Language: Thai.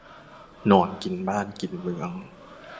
นอนกินบ้านกินเมือง